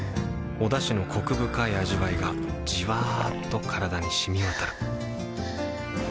おだしのコク深い味わいがじわっと体に染み渡るはぁ。